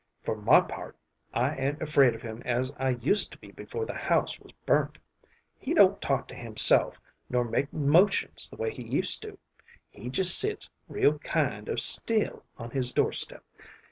For my part, I ain't afraid of him as I used to be before the house was burnt. He don't talk to himself, nor make motions the way he used to. He just sits real kind of still on his doorstep.